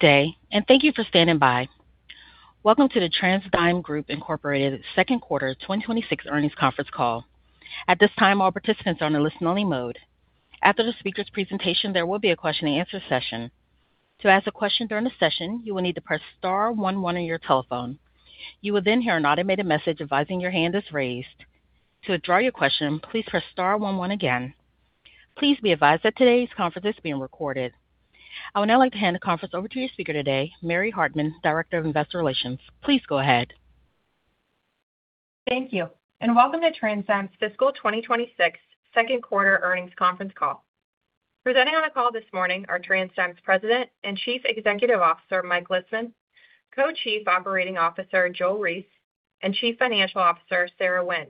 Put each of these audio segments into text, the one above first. Thank you for standing by. Welcome to the TransDigm Group Incorporated second quarter 2026 earnings conference call. At this time, all participants are on listen-only mode. After the speaker's presentation, there will be a question and answer session. To ask a question during the session, you would need to press star one one on your telephone. You would then hear an automated message of advising your hand is raised. To withdraw your question, please press star one one again. Please be advised that today's conference is being recorded. I would now like to hand the conference over to your speaker today, Mary Hartman, Director of Investor Relations. Please go ahead. Thank you and welcome to TransDigm's fiscal 2026 2nd quarter earnings conference call. Presenting on the call this morning are TransDigm's President and Chief Executive Officer, Mike Lisman, Co-Chief Operating Officer, Joel Reiss, and Chief Financial Officer, Sarah Wynne.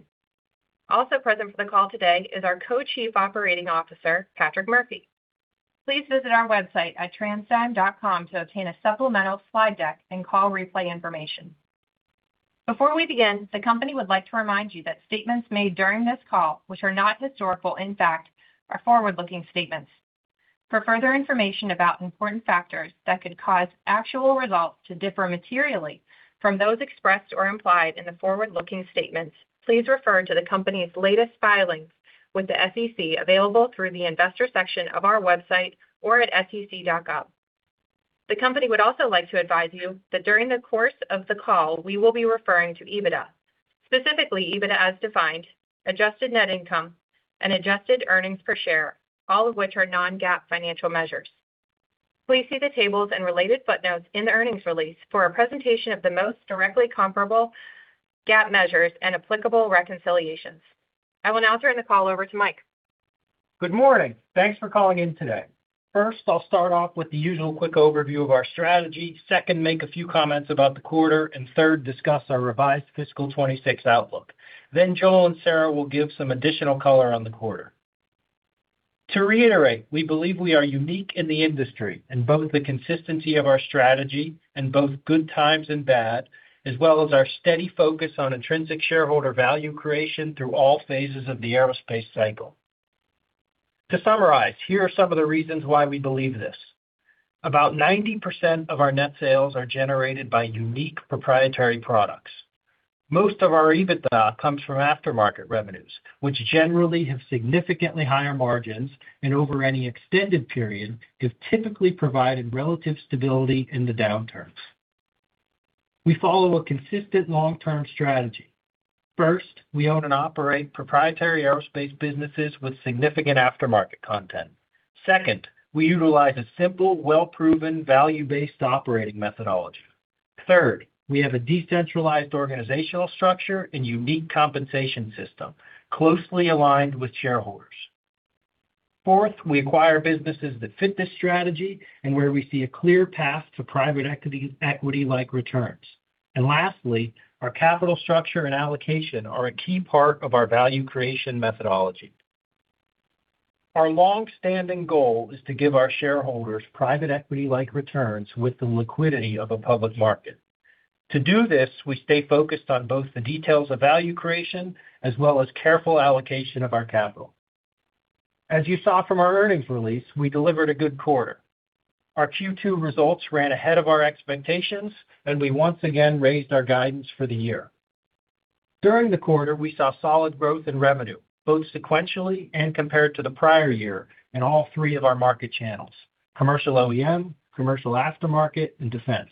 Also present for the call today is our Co-Chief Operating Officer, Patrick Murphy. Please visit our website at transdigm.com to obtain a supplemental slide deck and call replay information. Before we begin, the company would like to remind you that statements made during this call, which are not historical in fact, are forward-looking statements. For further information about important factors that could cause actual results to differ materially from those expressed or implied in the forward-looking statements, please refer to the company's latest filings with the SEC available through the investor section of our website or at sec.gov. The company would also like to advise you that during the course of the call we will be referring to EBITDA, specifically EBITDA as defined, adjusted net income and adjusted earnings per share, all of which are non-GAAP financial measures. Please see the tables and related footnotes in the earnings release for a presentation of the most directly comparable GAAP measures and applicable reconciliations. I will now turn the call over to Mike. Good morning. Thanks for calling in today. First, I'll start off with the usual quick overview of our strategy. Second, make a few comments about the quarter. Third, discuss our revised fiscal 2026 outlook. Joel and Sarah will give some additional color on the quarter. To reiterate, we believe we are unique in the industry in both the consistency of our strategy in both good times and bad, as well as our steady focus on intrinsic shareholder value creation through all phases of the aerospace cycle. To summarize, here are some of the reasons why we believe this. About 90% of our net sales are generated by unique proprietary products. Most of our EBITDA comes from aftermarket revenues, which generally have significantly higher margins and over any extended period have typically provided relative stability in the downturns. We follow a consistent long-term strategy. First, we own and operate proprietary aerospace businesses with significant aftermarket content. Second, we utilize a simple, well-proven, value-based operating methodology. Third, we have a decentralized organizational structure and unique compensation system closely aligned with shareholders. Fourth, we acquire businesses that fit this strategy and where we see a clear path to private equity-like returns. Lastly, our capital structure and allocation are a key part of our value creation methodology. Our long-standing goal is to give our shareholders private equity-like returns with the liquidity of a public market. To do this, we stay focused on both the details of value creation as well as careful allocation of our capital. As you saw from our earnings release, we delivered a good quarter. Our Q2 results ran ahead of our expectations, and we once again raised our guidance for the year. During the quarter, we saw solid growth in revenue, both sequentially and compared to the prior year in all three of our market channels: commercial OEM, commercial aftermarket, and defense.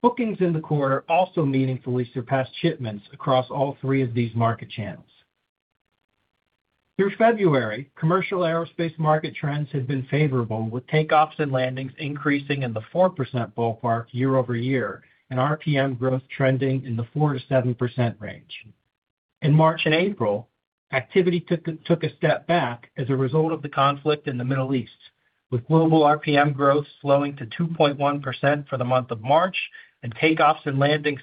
Bookings in the quarter also meaningfully surpassed shipments across all three of these market channels. Through February, commercial aerospace market trends have been favorable, with takeoffs and landings increasing in the 4% ballpark year-over-year and RPM growth trending in the 4%-7% range. In March and April, activity took a step back as a result of the conflict in the Middle East, with global RPM growth slowing to 2.1% for the month of March and takeoffs and landing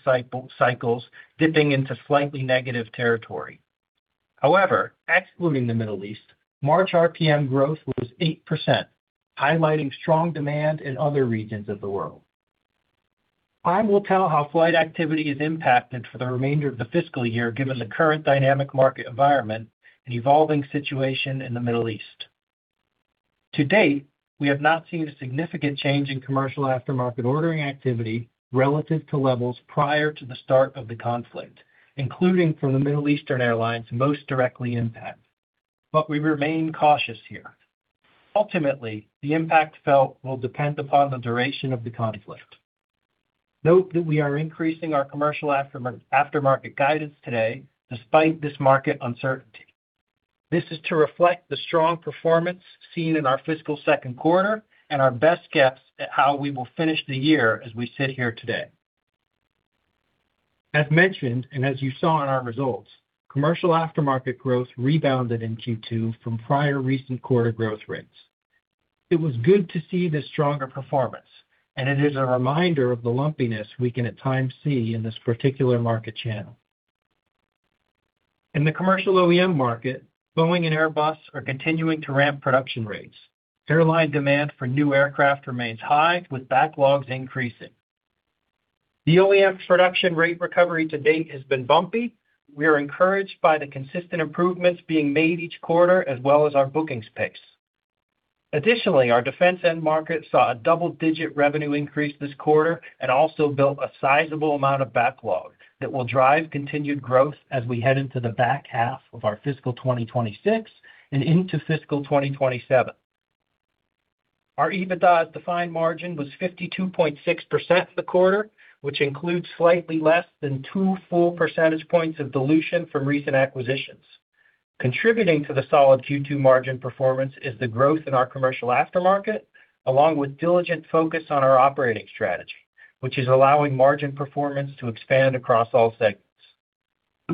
cycles dipping into slightly negative territory. Excluding the Middle East, March RPM growth was 8%, highlighting strong demand in other regions of the world. Time will tell how flight activity is impacted for the remainder of the fiscal year given the current dynamic market environment and evolving situation in the Middle East. To date, we have not seen a significant change in commercial aftermarket ordering activity relative to levels prior to the start of the conflict, including from the Middle Eastern airlines most directly impacted, but we remain cautious here. Ultimately, the impact felt will depend upon the duration of the conflict. Note that we are increasing our commercial aftermarket guidance today despite this market uncertainty. This is to reflect the strong performance seen in our fiscal second quarter and our best guess at how we will finish the year as we sit here today. As mentioned, and as you saw in our results, commercial aftermarket growth rebounded in Q2 from prior recent quarter growth rates. It was good to see this stronger performance, and it is a reminder of the lumpiness we can at times see in this particular market channel. In the commercial OEM market, Boeing and Airbus are continuing to ramp production rates. Airline demand for new aircraft remains high, with backlogs increasing. The OEM production rate recovery to date has been bumpy. We are encouraged by the consistent improvements being made each quarter as well as our bookings pace. Additionally, our defense end market saw a double-digit revenue increase this quarter and also built a sizable amount of backlog that will drive continued growth as we head into the back half of our fiscal 2026 and into fiscal 2027. Our EBITDA as defined margin was 52.6% for the quarter, which includes slightly less than 2 full percentage points of dilution from recent acquisitions. Contributing to the solid Q2 margin performance is the growth in our commercial aftermarket, along with diligent focus on our operating strategy, which is allowing margin performance to expand across all segments.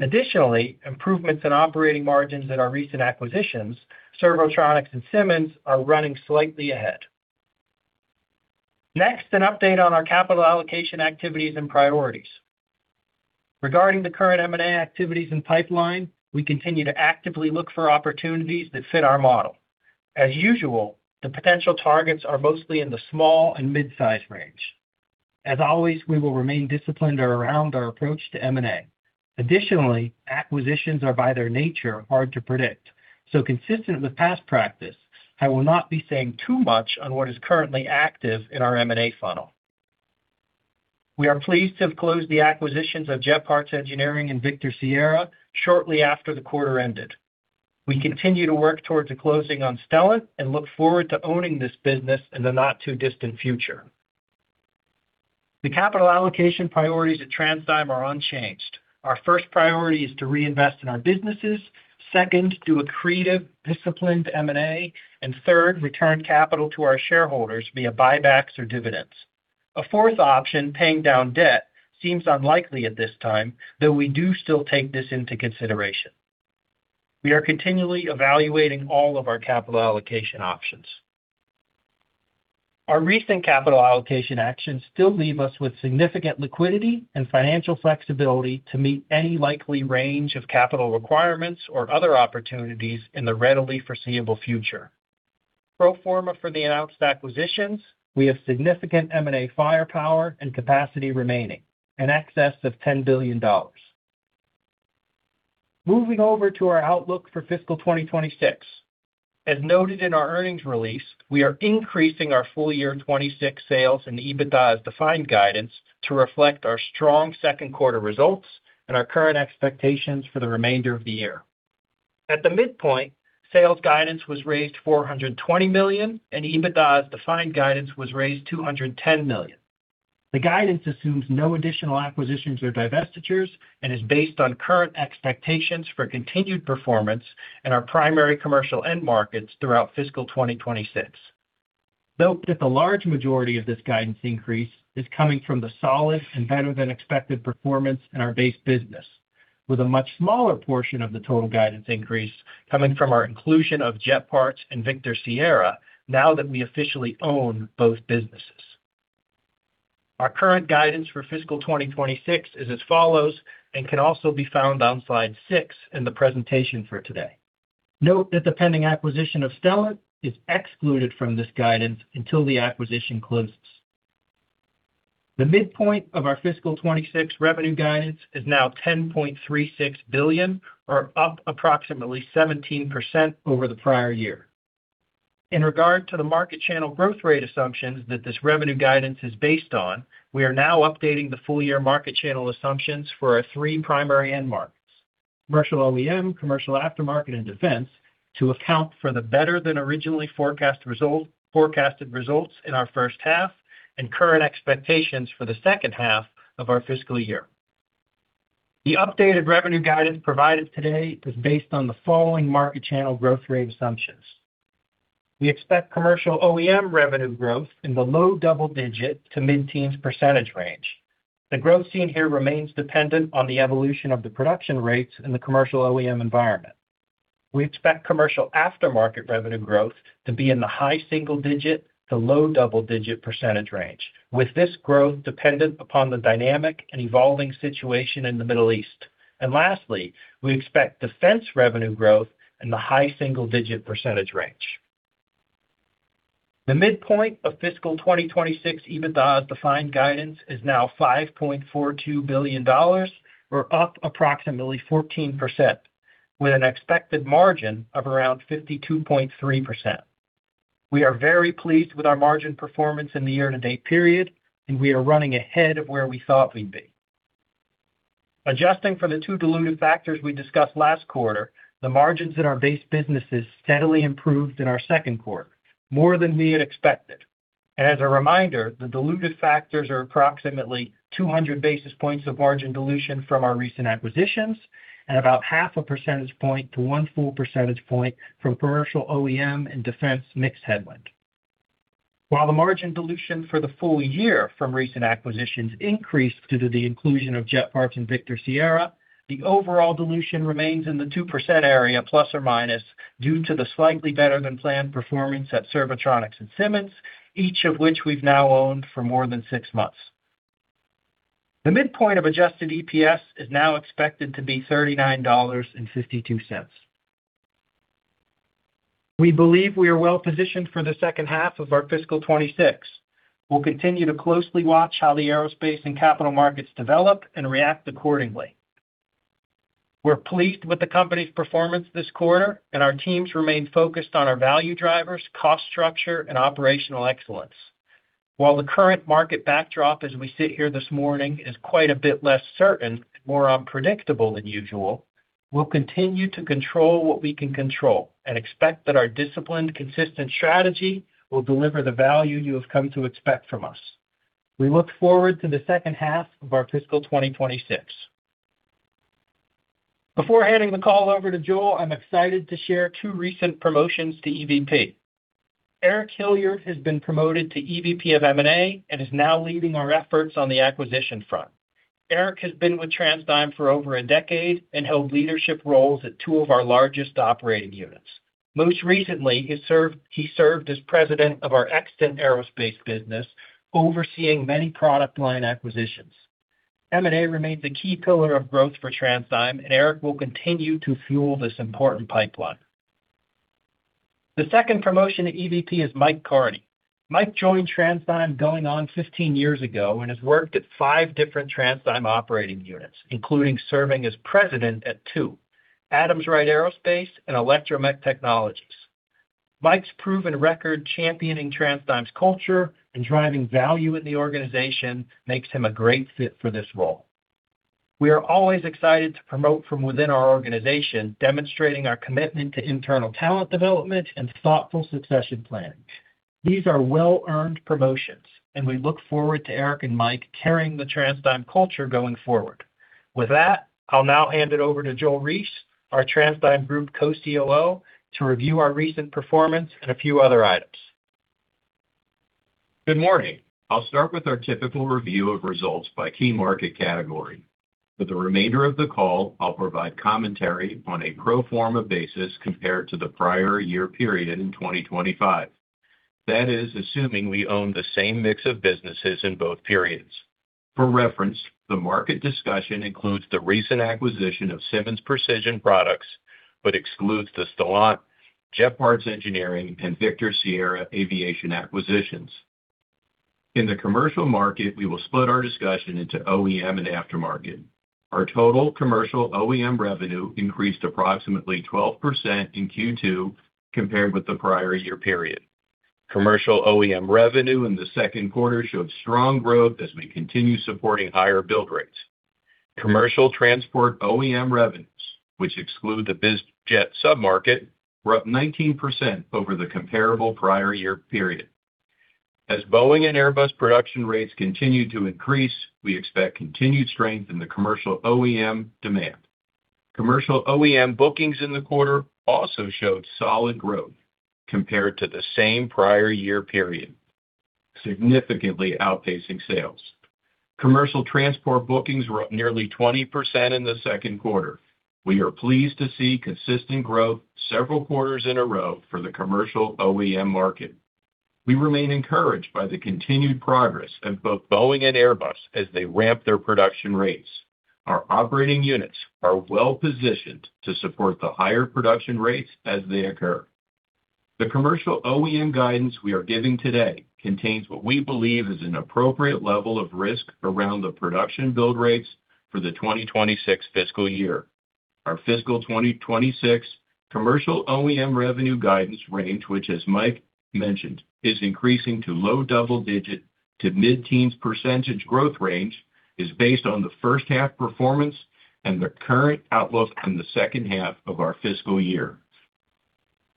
Additionally, improvements in operating margins at our recent acquisitions, Servotronics and Simmonds, are running slightly ahead. Next, an update on our capital allocation activities and priorities. Regarding the current M&A activities and pipeline, we continue to actively look for opportunities that fit our model. As usual, the potential targets are mostly in the small and mid-size range. As always, we will remain disciplined around our approach to M&A. Additionally, acquisitions are by their nature hard to predict. Consistent with past practice, I will not be saying too much on what is currently active in our M&A funnel. We are pleased to have closed the acquisitions of Jet Parts Engineering and Victor Sierra shortly after the quarter ended. We continue to work towards a closing on Stellant and look forward to owning this business in the not-too-distant future. The capital allocation priorities at TransDigm are unchanged. Our first priority is to reinvest in our businesses. Second, do accretive, disciplined M&A. Third, return capital to our shareholders via buybacks or dividends. A fourth option, paying down debt, seems unlikely at this time, though we do still take this into consideration. We are continually evaluating all of our capital allocation options. Our recent capital allocation actions still leave us with significant liquidity and financial flexibility to meet any likely range of capital requirements or other opportunities in the readily foreseeable future. Pro forma for the announced acquisitions, we have significant M&A firepower and capacity remaining, in excess of $10 billion. Moving over to our outlook for fiscal 2026. As noted in our earnings release, we are increasing our full-year 2026 sales and EBITDA as defined guidance to reflect our strong second quarter results and our current expectations for the remainder of the year. At the midpoint, sales guidance was raised $420 million, and EBITDA as defined guidance was raised $210 million. The guidance assumes no additional acquisitions or divestitures and is based on current expectations for continued performance in our primary commercial end markets throughout fiscal 2026. Note that the large majority of this guidance increase is coming from the solid and better-than-expected performance in our base business, with a much smaller portion of the total guidance increase coming from our inclusion of Jet Parts and Victor Sierra now that we officially own both businesses. Our current guidance for fiscal 2026 is as follows and can also be found on slide 6 in the presentation for today. Note that the pending acquisition of Stellant Systems is excluded from this guidance until the acquisition closes. The midpoint of our fiscal 2026 revenue guidance is now $10.36 billion, or up approximately 17% over the prior year. In regard to the market channel growth rate assumptions that this revenue guidance is based on, we are now updating the full-year market channel assumptions for our three primary end markets, commercial OEM, commercial aftermarket, and defense. To account for the better-than-originally forecast result, forecasted results in our first half and current expectations for the second half of our fiscal year. The updated revenue guidance provided today is based on the following market channel growth rate assumptions. We expect commercial OEM revenue growth in the low double-digit to mid-teens percentage range. The growth seen here remains dependent on the evolution of the production rates in the commercial OEM environment. We expect commercial aftermarket revenue growth to be in the high single-digit to low double-digit percentage range, with this growth dependent upon the dynamic and evolving situation in the Middle East. Lastly, we expect defense revenue growth in the high single-digit percentage range. The midpoint of fiscal 2026 EBITDA as defined guidance is now $5.42 billion or up approximately 14%, with an expected margin of around 52.3%. We are very pleased with our margin performance in the year-to-date period, and we are running ahead of where we thought we'd be. Adjusting for the two dilutive factors we discussed last quarter, the margins in our base businesses steadily improved in our second quarter, more than we had expected. As a reminder, the dilutive factors are approximately 200 basis points of margin dilution from our recent acquisitions and about 0.5 percentage point to 1 full percentage point from commercial OEM and defense mix headwind. The margin dilution for the full year from recent acquisitions increased due to the inclusion of Jet Parts and Victor Sierra, the overall dilution remains in the 2% area plus or minus due to the slightly better-than-planned performance at Servotronics and Simmonds, each of which we've now owned for more than six months. The midpoint of adjusted EPS is now expected to be $39.52. We believe we are well positioned for the second half of our fiscal 2026. We'll continue to closely watch how the aerospace and capital markets develop and react accordingly. We're pleased with the company's performance this quarter, and our teams remain focused on our value drivers, cost structure, and operational excellence. While the current market backdrop as we sit here this morning is quite a bit less certain and more unpredictable than usual, we'll continue to control what we can control and expect that our disciplined, consistent strategy will deliver the value you have come to expect from us. We look forward to the second half of our fiscal 2026. Before handing the call over to Joel, I'm excited to share two recent promotions to EVP. Eric Hilliard has been promoted to EVP of M&A and is now leading our efforts on the acquisition front. Eric has been with TransDigm for over a decade and held leadership roles at two of our largest operating units. Most recently, he served as President of our Extant Aerospace business, overseeing many product line acquisitions. M&A remains a key pillar of growth for TransDigm. Eric will continue to fuel this important pipeline. The second promotion to EVP is Mike Carney. Mike joined TransDigm going on 15 years ago and has worked at five different TransDigm operating units, including serving as President at two, Adams Rite Aerospace and Electromech Technologies. Mike's proven record championing TransDigm's culture and driving value in the organization makes him a great fit for this role. We are always excited to promote from within our organization, demonstrating our commitment to internal talent development and thoughtful succession planning. These are well-earned promotions, and we look forward to Eric and Mike carrying the TransDigm culture going forward. With that, I'll now hand it over to Joel Reiss, our TransDigm Group Co-COO, to review our recent performance and a few other items. Good morning. I'll start with our typical review of results by key market category. For the remainder of the call, I'll provide commentary on a pro forma basis compared to the prior year period in 2025. That is, assuming we own the same mix of businesses in both periods. For reference, the market discussion includes the recent acquisition of Simmonds Precision Products but excludes the Stellant, Jet Parts Engineering, and Victor Sierra Aviation acquisitions. In the commercial market, we will split our discussion into OEM and aftermarket. Our total commercial OEM revenue increased approximately 12% in Q2 compared with the prior year period. Commercial OEM revenue in the second quarter showed strong growth as we continue supporting higher build rates. Commercial transport OEM revenues, which exclude the biz jet sub-market, were up 19% over the comparable prior year period. As Boeing and Airbus production rates continue to increase, we expect continued strength in the commercial OEM demand. Commercial OEM bookings in the quarter also showed solid growth compared to the same prior year period, significantly outpacing sales. Commercial transport bookings were up nearly 20% in the second quarter. We are pleased to see consistent growth several quarters in a row for the commercial OEM market. We remain encouraged by the continued progress of both Boeing and Airbus as they ramp their production rates. Our operating units are well-positioned to support the higher production rates as they occur. The commercial OEM guidance we are giving today contains what we believe is an appropriate level of risk around the production build rates for the 2026 fiscal year. Our fiscal 2026 commercial OEM revenue guidance range, which, as Mike mentioned, is increasing to low double-digit to mid-teens percentage growth range, is based on the first half performance and the current outlook on the second half of our fiscal year.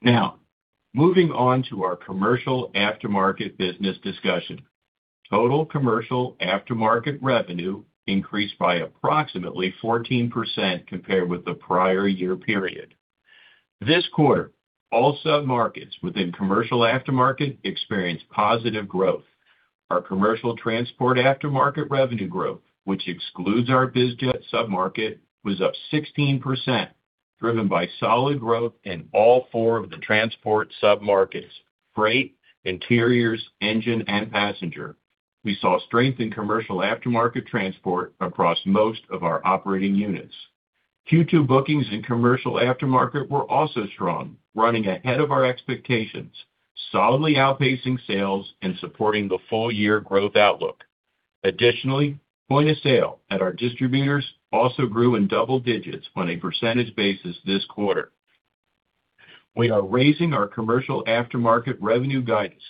Now, moving on to our commercial aftermarket business discussion. Total commercial aftermarket revenue increased by approximately 14% compared with the prior-year period. This quarter, all sub-markets within commercial aftermarket experienced positive growth. Our commercial transport aftermarket revenue growth, which excludes our biz jet sub-market, was up 16%, driven by solid growth in all four of the transport sub-markets: freight, interiors, engine, and passenger. We saw strength in commercial aftermarket transport across most of our operating units. Q2 bookings in commercial aftermarket were also strong, running ahead of our expectations, solidly outpacing sales and supporting the full-year growth outlook. Additionally, point of sale at our distributors also grew in double digits on a percentage basis this quarter. We are raising our commercial aftermarket revenue guidance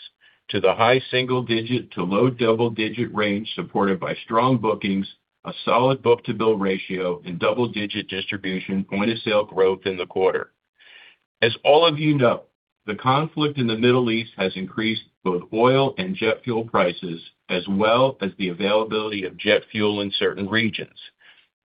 to the high single-digit to low double-digit range, supported by strong bookings, a solid book-to-bill ratio, and double-digit distribution point-of-sale growth in the quarter. As all of you know, the conflict in the Middle East has increased both oil and jet fuel prices as well as the availability of jet fuel in certain regions.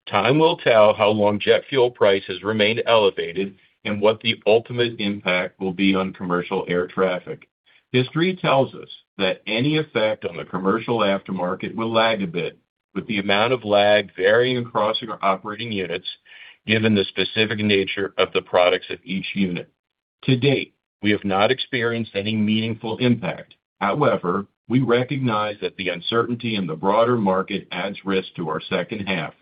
Time will tell how long jet fuel prices remain elevated and what the ultimate impact will be on commercial air traffic. History tells us that any effect on the commercial aftermarket will lag a bit, with the amount of lag varying across our operating units given the specific nature of the products of each unit. To date, we have not experienced any meaningful impact. However, we recognize that the uncertainty in the broader market adds risk to our second half.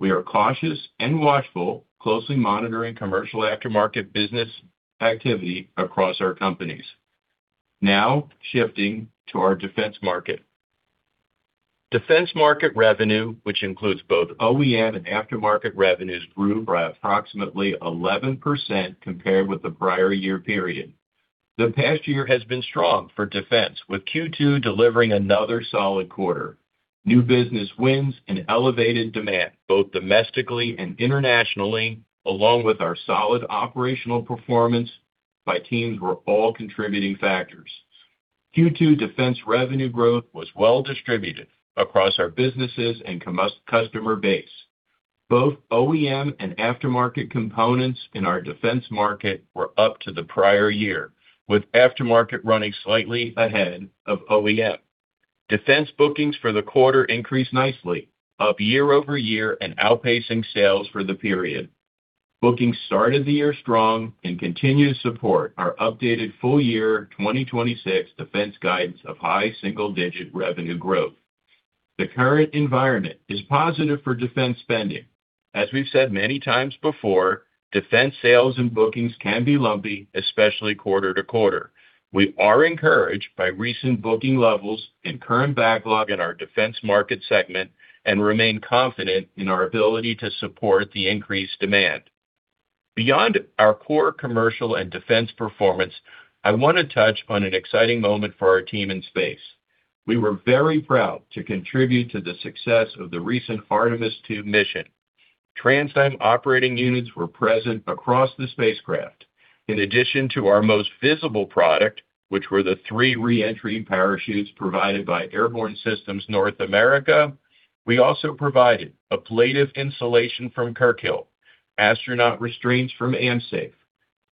We are cautious and watchful, closely monitoring commercial aftermarket business activity across our companies. Shifting to our defense market. Defense market revenue, which includes both OEM and aftermarket revenues, grew by approximately 11% compared with the prior year period. The past year has been strong for defense, with Q2 delivering another solid quarter. New business wins and elevated demand, both domestically and internationally, along with our solid operational performance by teams were all contributing factors. Q2 defense revenue growth was well distributed across our businesses and customer base. Both OEM and aftermarket components in our defense market were up to the prior year, with aftermarket running slightly ahead of OEM. Defense bookings for the quarter increased nicely, up year-over-year and outpacing sales for the period. Bookings started the year strong and continue to support our updated full year 2026 defense guidance of high single-digit revenue growth. The current environment is positive for defense spending. As we've said many times before, defense sales and bookings can be lumpy, especially quarter to quarter. We are encouraged by recent booking levels and current backlog in our defense market segment and remain confident in our ability to support the increased demand. Beyond our core commercial and defense performance, I want to touch on an exciting moment for our team in space. We were very proud to contribute to the success of the recent Artemis II mission. TransDigm operating units were present across the spacecraft. In addition to our most visible product, which were the three re-entry parachutes provided by Airborne Systems North America, we also provided ablative insulation from Kirkhill, astronaut restraints from AmSafe,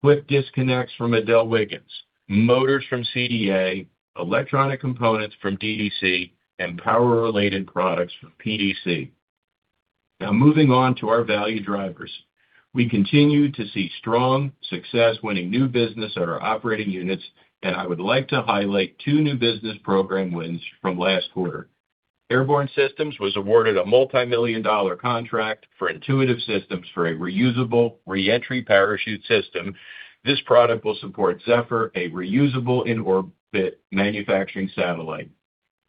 quick disconnects from AdelWiggins, motors from CDA, electronic components from DDC, and power-related products from PDC. Moving on to our value drivers. We continue to see strong success winning new business at our operating units, and I would like to highlight two new business program wins from last quarter. Airborne Systems was awarded a multimillion-dollar contract for Intuitive Machines for a reusable re-entry parachute system. This product will support Zephyr, a reusable in-orbit manufacturing satellite.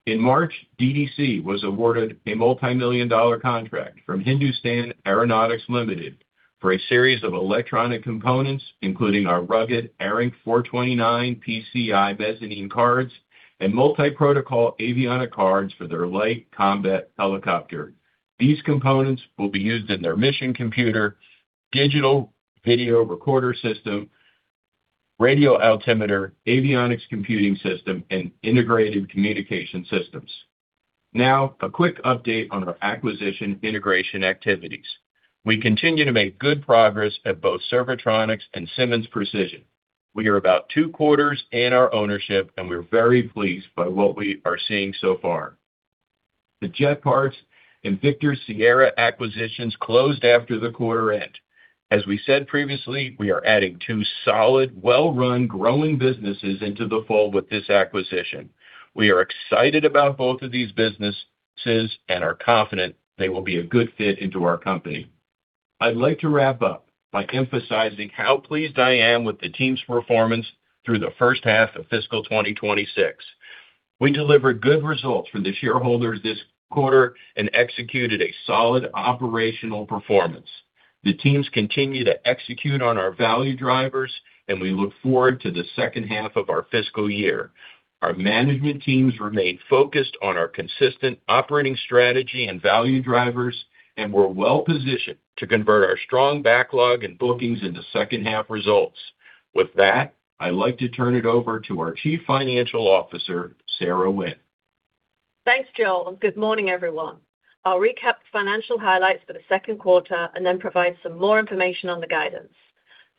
In March, DDC was awarded a multimillion-dollar contract from Hindustan Aeronautics Limited for a series of electronic components, including our rugged ARINC 429 PCI mezzanine cards and multi-protocol avionic cards for their Light Combat Helicopter. These components will be used in their mission computer, digital video recorder system, radio altimeter, avionics computing system, and integrated communication systems. Now, a quick update on our acquisition integration activities. We continue to make good progress at both Servotronics and Simmonds Precision. We are about two quarters in our ownership, and we're very pleased by what we are seeing so far. The Jet Parts and Victor Sierra acquisitions closed after the quarter end. As we said previously, we are adding two solid, well-run, growing businesses into the fold with this acquisition. We are excited about both of these businesses and are confident they will be a good fit into our company. I'd like to wrap up by emphasizing how pleased I am with the team's performance through the first half of fiscal 2026. We delivered good results for the shareholders this quarter and executed a solid operational performance. The teams continue to execute on our value drivers, and we look forward to the second half of our fiscal year. Our management teams remain focused on our consistent operating strategy and value drivers, and we're well-positioned to convert our strong backlog and bookings into second-half results. With that, I'd like to turn it over to our Chief Financial Officer, Sarah Wynne. Thanks, Joel. Good morning, everyone. I'll recap the financial highlights for the second quarter and then provide some more information on the guidance.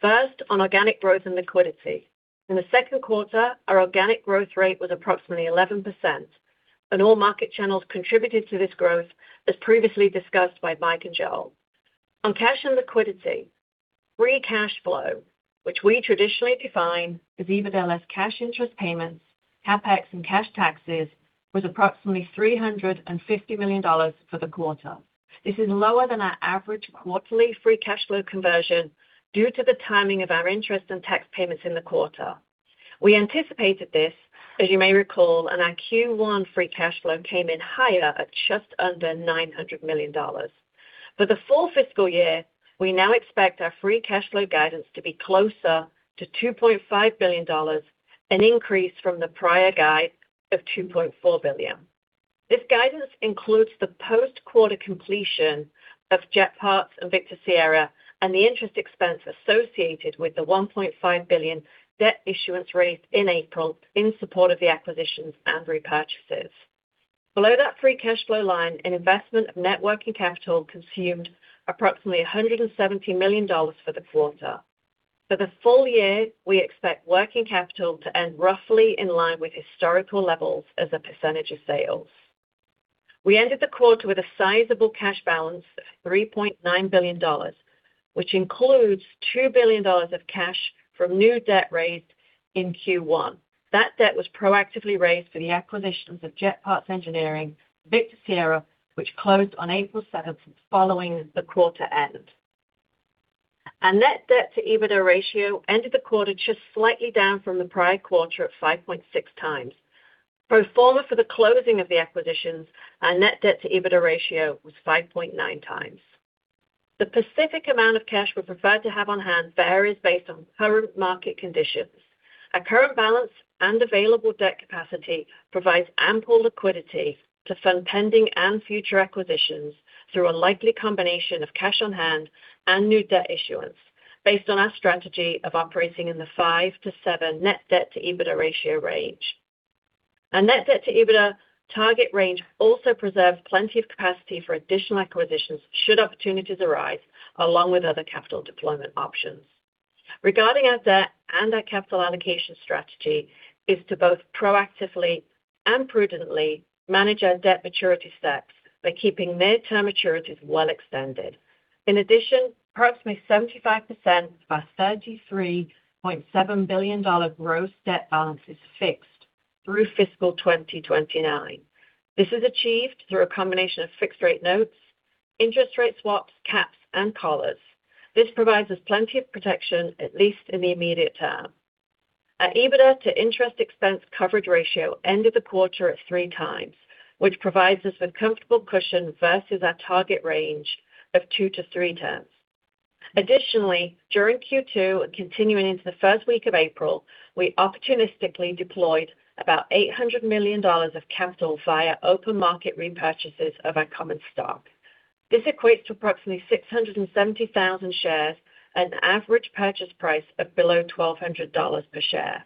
First, on organic growth and liquidity. In the second quarter, our organic growth rate was approximately 11%, and all market channels contributed to this growth, as previously discussed by Mike and Joel. On cash and liquidity, free cash flow, which we traditionally define as EBITDA less cash interest payments, CapEx, and cash taxes, was approximately $350 million for the quarter. This is lower than our average quarterly free cash flow conversion due to the timing of our interest and tax payments in the quarter. We anticipated this, as you may recall, and our Q1 free cash flow came in higher at just under $900 million. For the full fiscal year, we now expect our free cash flow guidance to be closer to $2.5 billion, an increase from the prior guide of $2.4 billion. This guidance includes the post-quarter completion of Jet Parts and Victor Sierra and the interest expense associated with the $1.5 billion debt issuance raised in April in support of the acquisitions and repurchases. Below that free cash flow line, an investment of net working capital consumed approximately $170 million for the quarter. For the full year, we expect working capital to end roughly in line with historical levels as a percentage of sales. We ended the quarter with a sizable cash balance of $3.9 billion, which includes $2 billion of cash from new debt raised in Q1. That debt was proactively raised for the acquisitions of Jet Parts Engineering, Victor Sierra, which closed on April 7 following the quarter end. Our net debt to EBITDA ratio ended the quarter just slightly down from the prior quarter at 5.6 times. Pro forma for the closing of the acquisitions, our net debt to EBITDA ratio was 5.9 times. The specific amount of cash we prefer to have on hand varies based on current market conditions. Our current balance and available debt capacity provides ample liquidity to fund pending and future acquisitions through a likely combination of cash on hand and new debt issuance based on our strategy of operating in the 5-7 net debt to EBITDA ratio range. Our net debt to EBITDA target range also preserves plenty of capacity for additional acquisitions should opportunities arise along with other capital deployment options. Regarding our debt and our capital allocation strategy is to both proactively and prudently manage our debt maturity steps by keeping midterm maturities well extended. In addition, approximately 75% of our $33.7 billion gross debt balance is fixed through fiscal 2029. This is achieved through a combination of fixed rate notes, interest rate swaps, caps and collars. This provides us plenty of protection, at least in the immediate term. Our EBITDA to interest expense coverage ratio ended the quarter at three times, which provides us with comfortable cushion versus our target range of two to three times. Additionally, during Q2 and continuing into the first week of April, we opportunistically deployed about $800 million of capital via open market repurchases of our common stock. This equates to approximately 670,000 shares, an average purchase price of below $1,200 per share.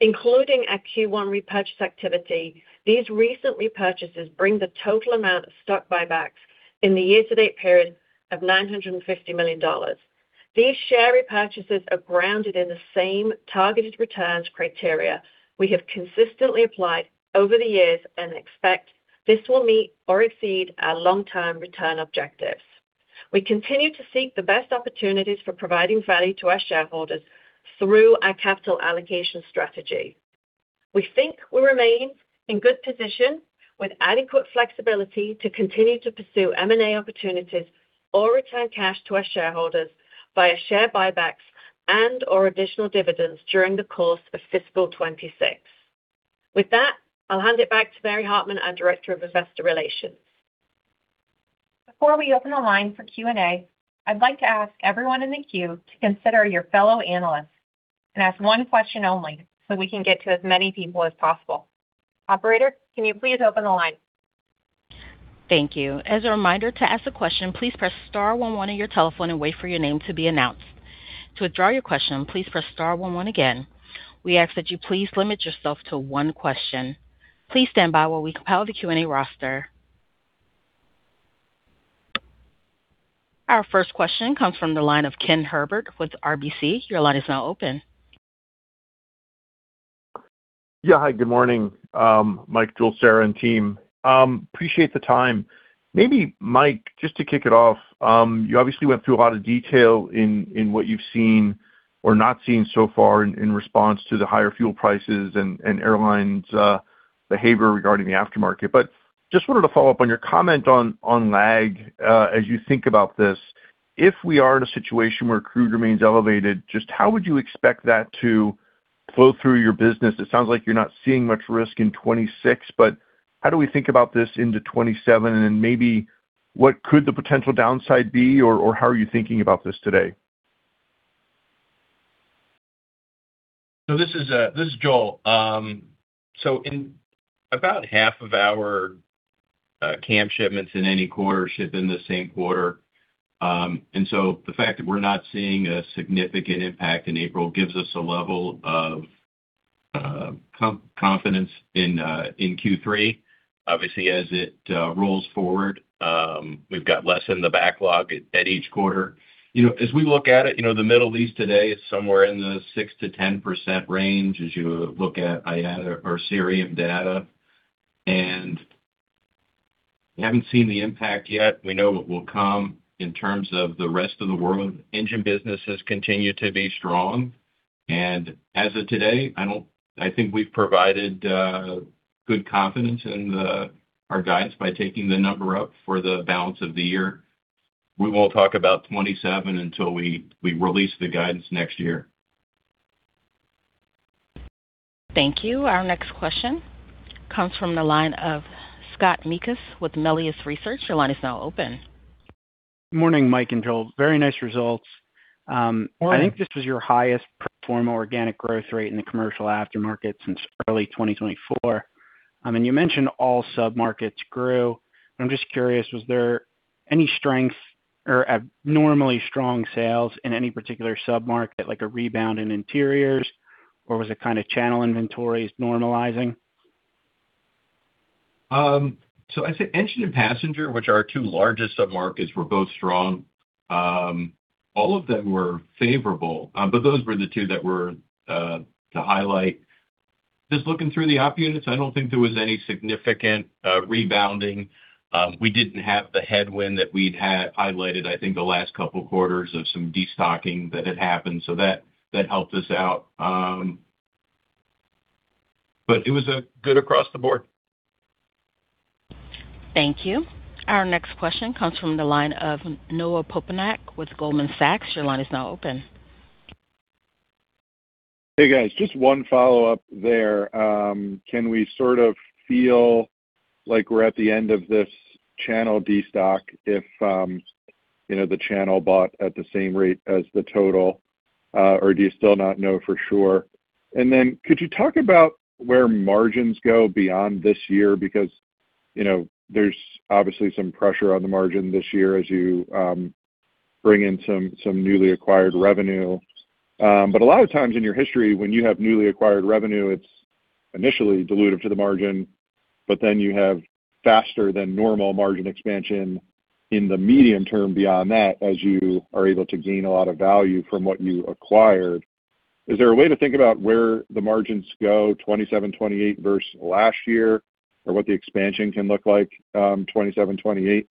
Including our Q1 repurchase activity, these recent repurchases bring the total amount of stock buybacks in the year-to-date period of $950 million. These share repurchases are grounded in the same targeted returns criteria we have consistently applied over the years and expect this will meet or exceed our long-term return objectives. We continue to seek the best opportunities for providing value to our shareholders through our capital allocation strategy. We think we remain in good position with adequate flexibility to continue to pursue M&A opportunities or return cash to our shareholders via share buybacks and/or additional dividends during the course of fiscal 2026. With that, I'll hand it back to Mary Hartman, our Director of Investor Relations. Before we open the line for Q&A, I'd like to ask everyone in the queue to consider your fellow analysts and ask one question only, so we can get to as many people as possible. Operator, can you please open the line? Thank you. As a reminder to ask a question, please press star one one on your telephone and wait for your name to be announced. To withdraw your question, please press star one one again. We ask that you please limit yourself to one question. Please stand by while we compile the Q&A roster. Our first question comes from the line of Ken Herbert with RBC. Your line is now open. Yeah, hi, good morning, Mike, Joel, Sarah, and team. Appreciate the time. Maybe Mike, just to kick it off, you obviously went through a lot of detail in what you've seen or not seen so far in response to the higher fuel prices and airlines behavior regarding the aftermarket. Just wanted to follow up on your comment on lag as you think about this. If we are in a situation where crude remains elevated, just how would you expect that to flow through your business? It sounds like you're not seeing much risk in 2026, but how do we think about this into 2027? Maybe what could the potential downside be, or how are you thinking about this today? This is Joel. In about half of our CAM shipments in any quarter ship in the same quarter. The fact that we're not seeing a significant impact in April gives us a level of confidence in Q3. Obviously, as it rolls forward, we've got less in the backlog at each quarter. As we look at it, you know, the Middle East today is somewhere in the 6%-10% range as you look at IATA or Cirium data. We haven't seen the impact yet. We know it will come in terms of the rest of the world. Engine business has continued to be strong. As of today, I think we've provided good confidence in our guidance by taking the number up for the balance of the year. We won't talk about 2027 until we release the guidance next year. Thank you. Our next question comes from the line of Scott Mikus with Melius Research. Morning, Mike and Joel. Very nice results. Morning. I think this was your highest pro forma organic growth rate in the commercial aftermarket since early 2024. You mentioned all submarkets grew, but I'm just curious, was there any strength or abnormally strong sales in any particular submarket, like a rebound in interiors? Was it kind of channel inventories normalizing? I'd say engine and passenger, which are our two largest submarkets, were both strong. All of them were favorable, but those were the two that were to highlight. Just looking through the op units, I don't think there was any significant rebounding. We didn't have the headwind that we'd had highlighted, I think, the last couple of quarters of some destocking that had happened, so that helped us out. It was good across the board. Thank you. Our next question comes from the line of Noah Poponak with Goldman Sachs. Your line is now open. Hey, guys. Just one follow-up there. Can we sort of feel like we're at the end of this channel destock if, you know, the channel bought at the same rate as the total, or do you still not know for sure? Could you talk about where margins go beyond this year? Because, you know, there's obviously some pressure on the margin this year as you bring in some newly acquired revenue. A lot of times in your history, when you have newly acquired revenue, it's initially dilutive to the margin, then you have faster than normal margin expansion in the medium term beyond that, as you are able to gain a lot of value from what you acquired. Is there a way to think about where the margins go, 2027, 2028 versus last year, or what the expansion can look like, 2027, 2028?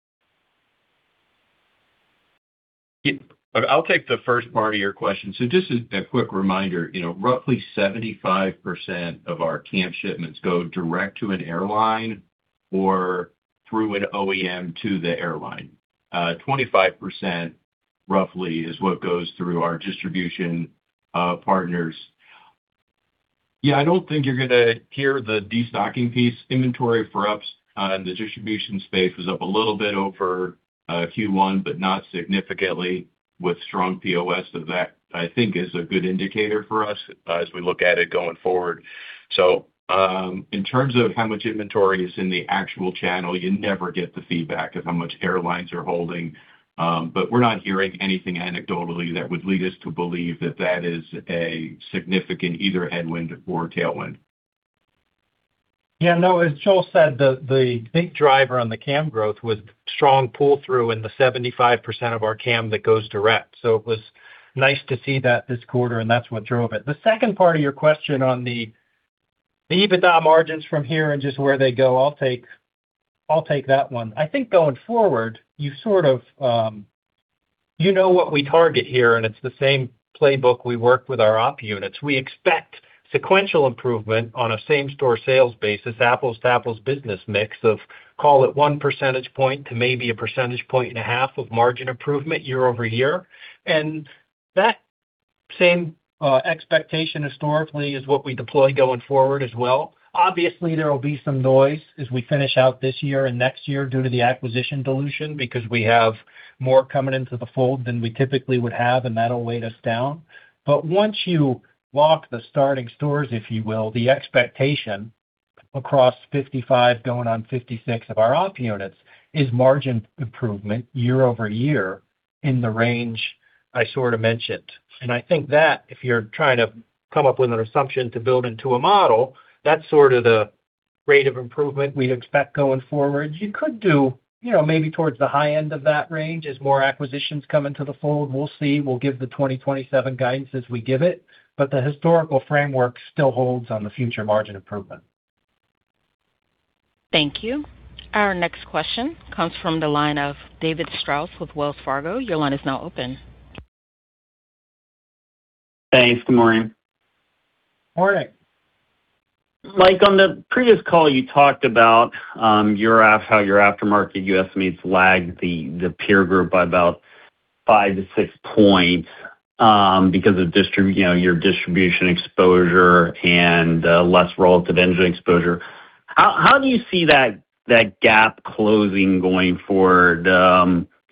I'll take the first part of your question. Just a quick reminder, you know, roughly 75% of our CAM shipments go direct to an airline or through an OEM to the airline. 25%, roughly, is what goes through our distribution partners. Yeah, I don't think you're gonna hear the destocking piece. Inventory for us on the distribution space was up a little bit over Q1, but not significantly with strong POS of that, I think is a good indicator for us as we look at it going forward. In terms of how much inventory is in the actual channel, you never get the feedback of how much airlines are holding, but we're not hearing anything anecdotally that would lead us to believe that that is a significant either headwind or tailwind. As Joel said, the big driver on the CAM growth was strong pull-through in the 75% of our CAM that goes direct. It was nice to see that this quarter, that's what drove it. The second part of your question on the EBITDA margins from here and just where they go, I'll take that one. I think going forward, you sort of, you know what we target here, it's the same playbook we work with our op units. We expect sequential improvement on a same-store sales basis, apples-to-apples business mix of, call it, one percentage point to maybe a percentage point and a half of margin improvement year-over-year. That same expectation historically is what we deploy going forward as well. Obviously, there will be some noise as we finish out this year and next year due to the acquisition dilution, because we have more coming into the fold than we typically would have, and that'll weigh us down. Once you walk the starting stores, if you will, the expectation across 55, going on 56 of our op units is margin improvement year-over-year in the range I sort of mentioned. I think that if you're trying to come up with an assumption to build into a model, that's sort of the rate of improvement we'd expect going forward. You could do, you know, maybe towards the high end of that range as more acquisitions come into the fold. We'll see. We'll give the 2027 guidance as we give it, the historical framework still holds on the future margin improvement. Thank you. Our next question comes from the line of David Strauss with Wells Fargo. Your line is now open. Thanks. Good morning. Morning. Mike, on the previous call, you talked about how your aftermarket USM lagged the peer group by about 5-6 points because of you know, your distribution exposure and less relative engine exposure. How do you see that gap closing going forward,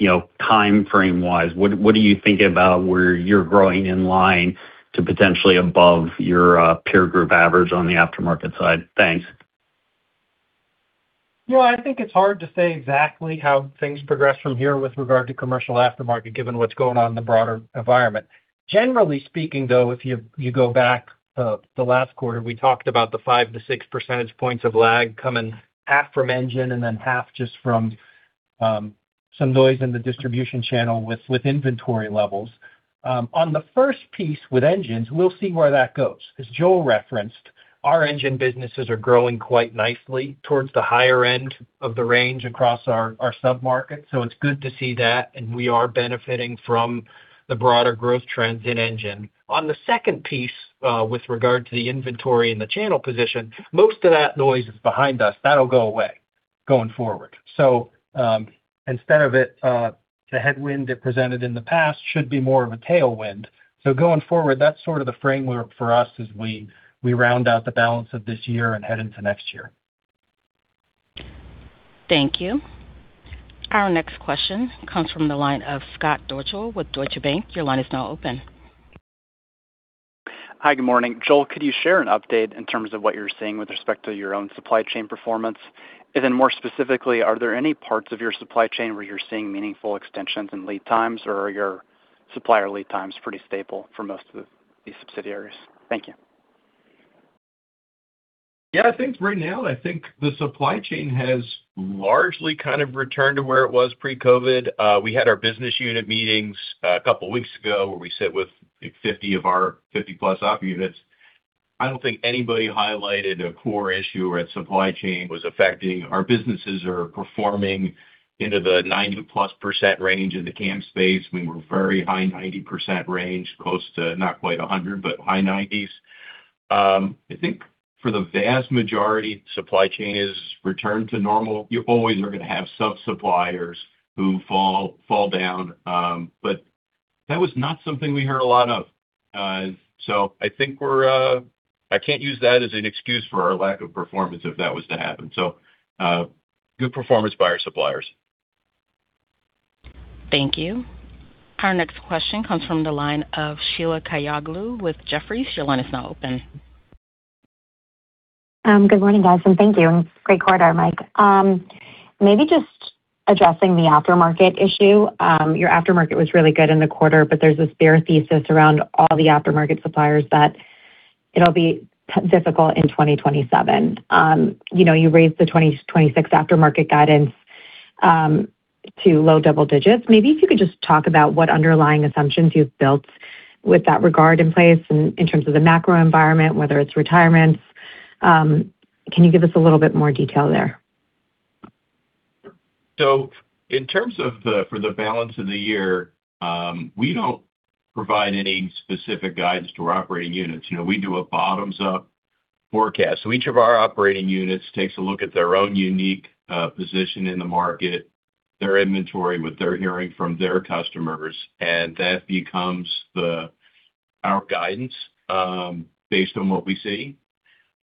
you know, timeframe-wise? What do you think about where you're growing in line to potentially above your peer group average on the aftermarket side? Thanks. You know, I think it's hard to say exactly how things progress from here with regard to commercial aftermarket, given what's going on in the broader environment. Generally speaking, though, if you go back, the last quarter, we talked about the five to six percentage points of lag coming half from engine and then half just from some noise in the distribution channel with inventory levels. On the first piece with engines, we'll see where that goes. As Joel referenced, our engine businesses are growing quite nicely towards the higher end of the range across our submarket. It's good to see that, and we are benefiting from the broader growth trends in engine. On the second piece, with regard to the inventory and the channel position, most of that noise is behind us. That'll go away going forward. Instead of it, the headwind it presented in the past should be more of a tailwind. Going forward, that's sort of the framework for us as we round out the balance of this year and head into next year. Thank you. Our next question comes from the line of Scott Deuschle with Deutsche Bank. Your line is now open. Hi, good morning. Joel, could you share an update in terms of what you're seeing with respect to your own supply chain performance? More specifically, are there any parts of your supply chain where you're seeing meaningful extensions in lead times, or are your supplier lead times pretty stable for most of the subsidiaries? Thank you. Yeah, I think right now, I think the supply chain has largely kind of returned to where it was pre-COVID. We had our business unit meetings a couple weeks ago, where we sit with like 50 of our 50-plus op units. I don't think anybody highlighted a core issue where supply chain was affecting. Our businesses are performing into the 90-plus % range in the CAM space. We were very high 90% range, close to not quite 100, but high 90s. I think for the vast majority, supply chain has returned to normal. You always are gonna have sub-suppliers who fall down. But that was not something we heard a lot of. I think we're I can't use that as an excuse for our lack of performance if that was to happen. Good performance by our suppliers. Thank you. Our next question comes from the line of Sheila Kahyaoglu with Jefferies. Sheila, your line is now open. Good morning, guys, and thank you. Great quarter, Mike. Maybe just addressing the aftermarket issue. Your aftermarket was really good in the quarter, but there's this bear thesis around all the aftermarket suppliers that it'll be difficult in 2027. You know, you raised the 2026 aftermarket guidance to low double digits. Maybe if you could just talk about what underlying assumptions you've built with that regard in place in terms of the macro environment, whether it's retirements. Can you give us a little bit more detail there? In terms of the balance of the year, we don't provide any specific guidance to our operating units. You know, we do a bottoms-up forecast. Each of our operating units takes a look at their own unique position in the market, their inventory, what they're hearing from their customers, and that becomes our guidance based on what we see.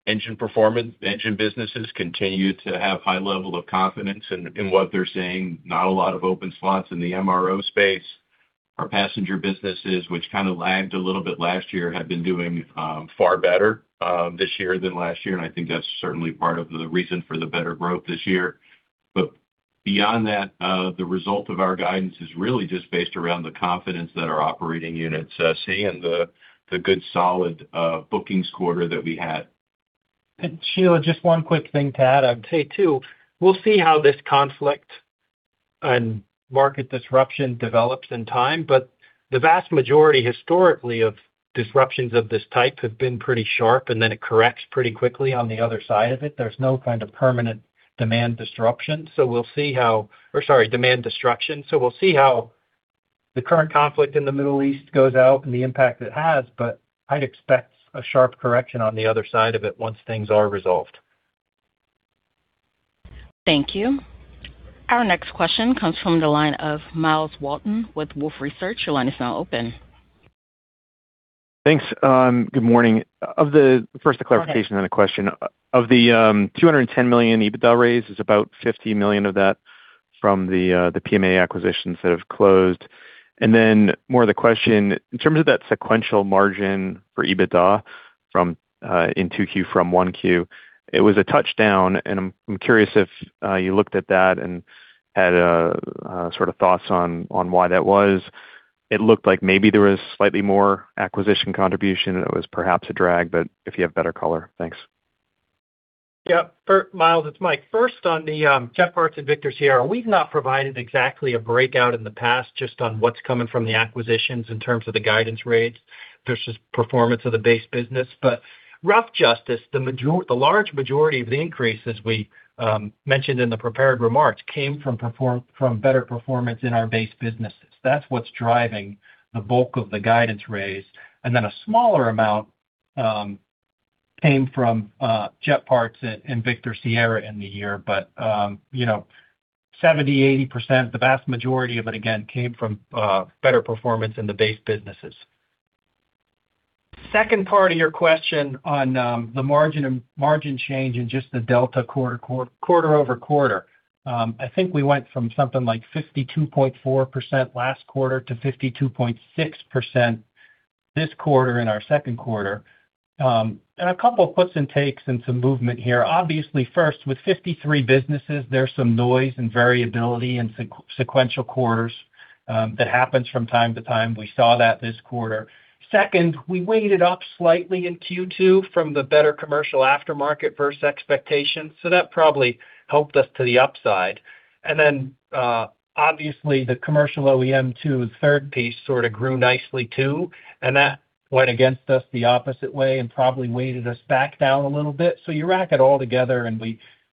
Engine businesses continue to have high level of confidence in what they're seeing. Not a lot of open slots in the MRO space. Our passenger businesses, which kinda lagged a little bit last year, have been doing far better this year than last year, and I think that's certainly part of the reason for the better growth this year. Beyond that, the result of our guidance is really just based around the confidence that our operating units are seeing the good solid bookings quarter that we had. Sheila, just one quick thing to add. I'd say too, we'll see how this conflict and market disruption develops in time, but the vast majority historically of disruptions of this type have been pretty sharp, and then it corrects pretty quickly on the other side of it. There's no kind of permanent demand disruption. We'll see or sorry, demand destruction. We'll see how the current conflict in the Middle East goes out and the impact it has, but I'd expect a sharp correction on the other side of it once things are resolved. Thank you. Our next question comes from the line of Myles Walton with Wolfe Research. Your line is now open. Thanks. Good morning. First, a clarification, then a question. Of the, $210 million EBITDA raise, is about $50 million of that from the PMA acquisitions that have closed? More of the question, in terms of that sequential margin for EBITDA from, in 2Q from 1Q, it was a touchdown, and I'm curious if you looked at that and had a sort of thoughts on why that was. It looked like maybe there was slightly more acquisition contribution that was perhaps a drag, but if you have better color. Thanks. Yeah. Myles, it's Mike. First, on the Jet Parts and Victor Sierra, we've not provided exactly a breakout in the past just on what's coming from the acquisitions in terms of the guidance rates versus performance of the base business. Rough justice, the large majority of the increase, as we mentioned in the prepared remarks, came from better performance in our base businesses. That's what's driving the bulk of the guidance raise. A smaller amount came from Jet Parts and Victor Sierra in the year. You know, 70%, 80%, the vast majority of it again came from better performance in the base businesses. Second part of your question on the margin change and just the delta quarter-over-quarter. I think we went from something like 52.4% last quarter to 52.6% this quarter in our second quarter. A couple of puts and takes and some movement here. Obviously, first, with 53 businesses, there's some noise and variability in sequential quarters that happens from time to time. We saw that this quarter. Second, we weighted up slightly in Q2 from the better commercial aftermarket versus expectations, so that probably helped us to the upside. Obviously, the commercial OEM too, the third piece sorta grew nicely too, and that went against us the opposite way and probably weighted us back down a little bit. You rack it all together,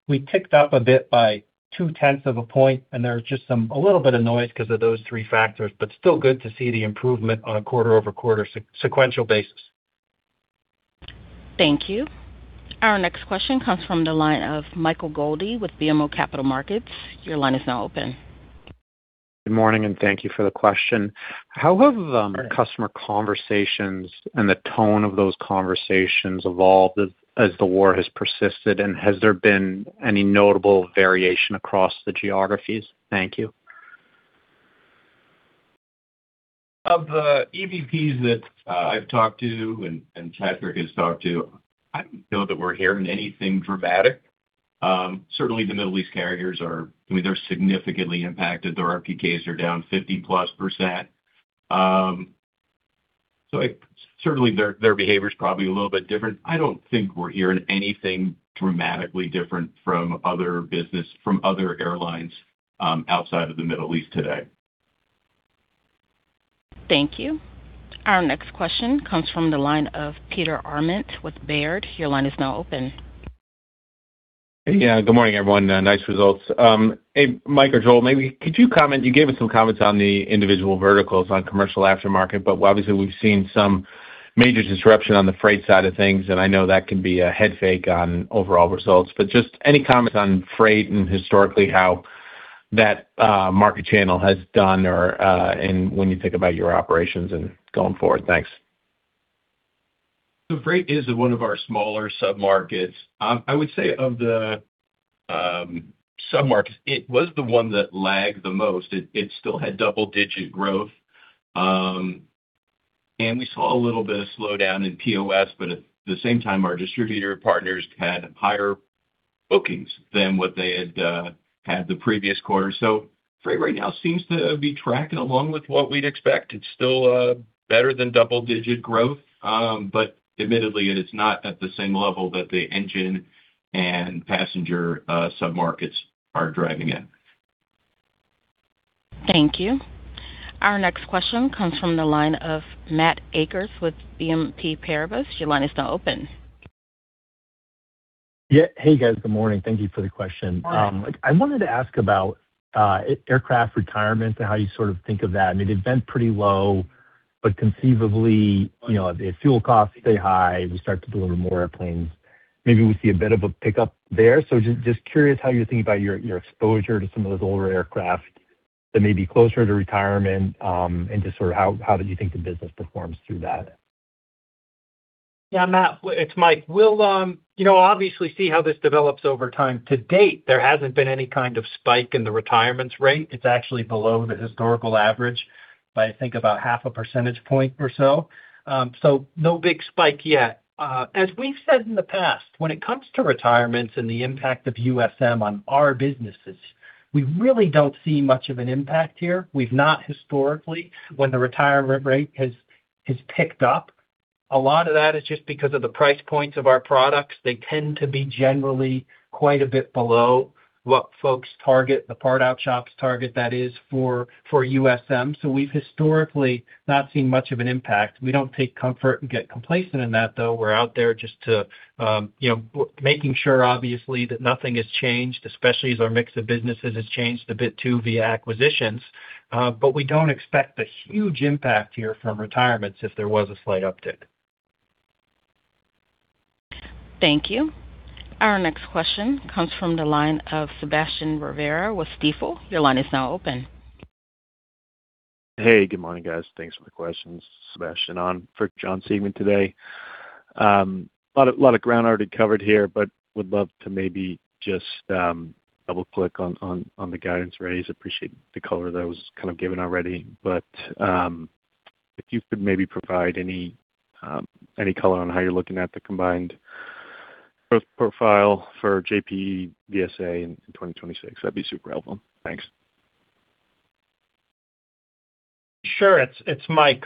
we ticked up a bit by 0.2 of a point, and there's just a little bit of noise because of those three factors. Still good to see the improvement on a quarter-over-quarter sequential basis. Thank you. Our next question comes from the line of Michael Goldie with BMO Capital Markets. Your line is now open. Good morning, thank you for the question. How have customer conversations and the tone of those conversations evolved as the war has persisted? Has there been any notable variation across the geographies? Thank you. Of the EVPs that I've talked to and Patrick has talked to, I don't feel that we're hearing anything dramatic. Certainly the Middle East carriers, I mean, they're significantly impacted. Their RFQs are down 50+%. Certainly their behavior is probably a little bit different. I don't think we're hearing anything dramatically different from other business, from other airlines, outside of the Middle East today. Thank you. Our next question comes from the line of Peter Arment with Baird. Your line is now open. Yeah. Good morning, everyone. Nice results. Hey, Mike or Joel, maybe could you comment, you gave us some comments on the individual verticals on commercial aftermarket, but obviously, we've seen some major disruption on the freight side of things, and I know that can be a head fake on overall results. Just any comments on freight and historically how that market channel has done or, and when you think about your operations and going forward. Thanks. Freight is one of our smaller submarkets. I would say of the submarkets, it was the one that lagged the most. It still had double-digit growth, and we saw a little bit of slowdown in POS, at the same time, our distributor partners had higher bookings than what they had had the previous quarter. Freight right now seems to be tracking along with what we'd expect. It's still better than double-digit growth, but admittedly, it is not at the same level that the engine and passenger submarkets are driving it. Thank you. Our next question comes from the line of Matt Akers with BNP Paribas. Your line is now open. Yeah. Hey, guys. Good morning. Thank you for the question. I wanted to ask about aircraft retirement and how you sort of think of that. I mean, it's been pretty low, but conceivably, you know, if fuel costs stay high, we start to deliver more airplanes, maybe we see a bit of a pickup there. Just curious how you're thinking about your exposure to some of those older aircraft that may be closer to retirement, and just sort of how did you think the business performs through that? Yeah, Matt, it's Mike. We'll, you know, obviously see how this develops over time. To date, there hasn't been any kind of spike in the retirements rate. It's actually below the historical average by, I think, about 0.5 percentage point or so. No big spike yet. As we've said in the past, when it comes to retirements and the impact of USM on our businesses, we really don't see much of an impact here. We've not historically when the retirement rate has picked up. A lot of that is just because of the price points of our products. They tend to be generally quite a bit below what folks target, the part-out shops target, that is, for USM. We've historically not seen much of an impact. We don't take comfort and get complacent in that, though. We're out there just to, you know, making sure obviously that nothing has changed, especially as our mix of businesses has changed a bit too via acquisitions. We don't expect a huge impact here from retirements if there was a slight uptick. Thank you. Our next question comes from the line of Sebastian Rivera with Stifel. Your line is now open. Hey, good morning, guys. Thanks for the questions. Sebastian on for John Seaman today. Lot of ground already covered here, would love to maybe just double-click on the guidance raise. Appreciate the color that was kind of given already. If you could maybe provide any color on how you're looking at the combined growth profile for JP VSA in 2026, that'd be super helpful. Thanks. Sure. It's Mike.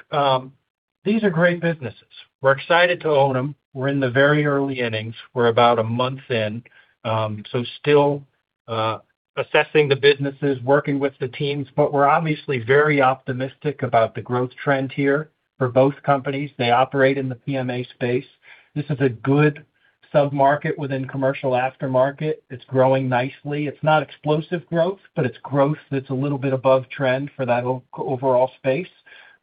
These are great businesses. We're excited to own them. We're in the very early innings. We're about a month in, so still assessing the businesses, working with the teams. We're obviously very optimistic about the growth trend here for both companies. They operate in the PMA space. This is a good sub-market within commercial aftermarket. It's growing nicely. It's not explosive growth, but it's growth that's a little bit above trend for that overall space.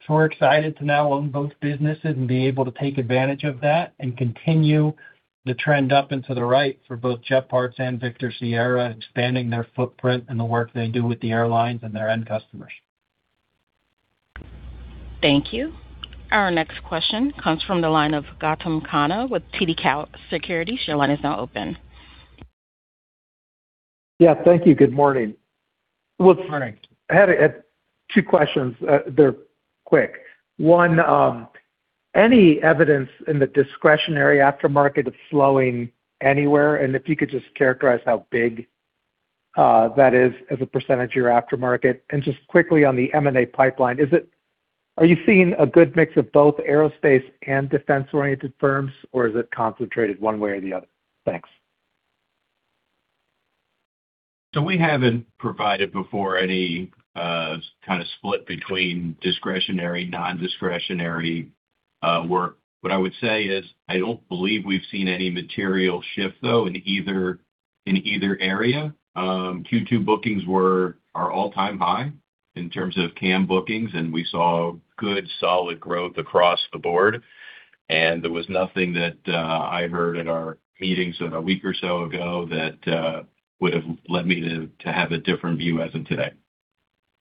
We're excited to now own both businesses and be able to take advantage of that and continue the trend up into the right for both Jet Parts and Victor Sierra, expanding their footprint and the work they do with the airlines and their end customers. Thank you. Our next question comes from the line of Gautam Khanna with TD Cowen. Your line is now open. Yeah. Thank you. Good morning. Morning. I have two questions. They're quick. One, any evidence in the discretionary aftermarket of slowing anywhere? If you could just characterize how big that is as a % of your aftermarket. Just quickly on the M&A pipeline, are you seeing a good mix of both aerospace and defense-oriented firms, or is it concentrated one way or the other? Thanks. We haven't provided before any kind of split between discretionary, non-discretionary work. What I would say is I don't believe we've seen any material shift though in either, in either area. Q2 bookings were our all-time high in terms of CAM bookings, and we saw good solid growth across the board. There was nothing that I heard at our meetings a week or so ago that would've led me to have a different view as of today.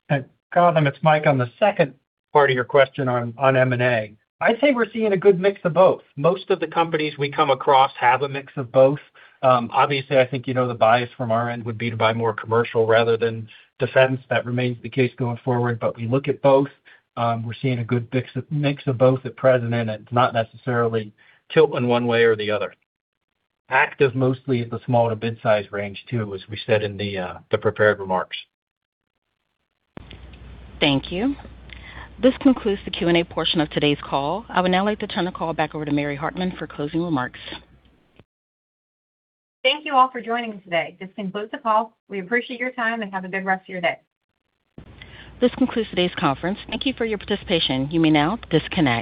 Hey, Gautam, it's Mike. On the second part of your question on M&A, I'd say we're seeing a good mix of both. Most of the companies we come across have a mix of both. Obviously, I think, you know, the bias from our end would be to buy more commercial rather than defense. That remains the case going forward. We look at both. We're seeing a good mix of both at present, and it's not necessarily tilt in one way or the other. Active mostly at the small to midsize range too, as we said in the prepared remarks. Thank you. This concludes the Q&A portion of today's call. I would now like to turn the call back over to Mary Hartman for closing remarks. Thank you all for joining us today. This concludes the call. We appreciate your time, and have a good rest of your day. This concludes today's conference. Thank you for your participation. You may now disconnect.